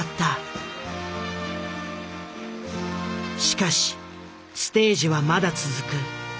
しかしステージはまだ続く。